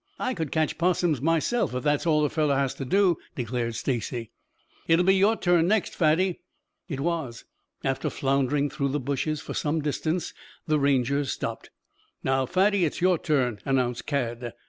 I could catch 'possums myself if that's all a fellow has to do," declared Stacy. "It'll be your turn next, Fatty." It was. After floundering through the bushes for some distance the Rangers stopped. "Now, Fatty, it's your turn," announced Cad.